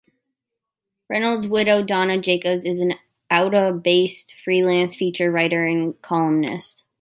Reynolds' widow, Donna Jacobs, is an Ottawa-based freelance feature writer and columnist.